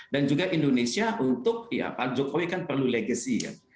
dan juga indonesia untuk pak jokowi kan perlu legasi ya